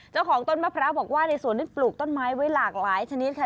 เจ้าของต้นมะพร้าวบอกว่าในสวนนี้ปลูกต้นไม้ไว้หลากหลายชนิดค่ะ